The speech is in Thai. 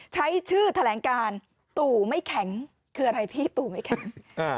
ใช้ชื่อแถลงการตู่ไม่แข็งคืออะไรพี่ตู่ไม่แข็ง